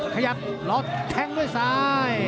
ขยับรอจุงแทงด้วยซ้าย